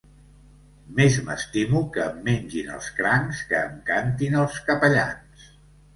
Més m'estimo que em mengin els crancs que em cantin els capellans.